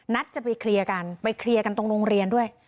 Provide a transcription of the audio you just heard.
จะไปเคลียร์กันไปเคลียร์กันตรงโรงเรียนด้วย